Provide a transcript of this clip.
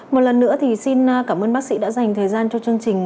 một lần nữa thì xin cảm ơn bác sĩ đã dành thời gian cho chương trình